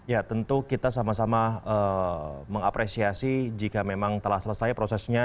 ya tentu kita sama sama mengapresiasi jika memang telah selesai prosesnya